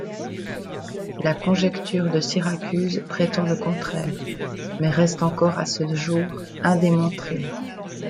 La conjecture de Syracuse prétend le contraire, mais reste encore à ce jour indémontrée.